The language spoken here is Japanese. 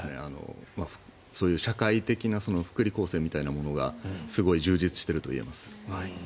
そういう社会的な福利厚生みたいなものがすごい充実しているといえます。